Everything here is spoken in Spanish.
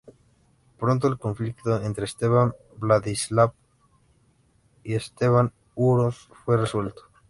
Pronto el conflicto entre Esteban Vladislav I y Esteban Uroš fue resuelto.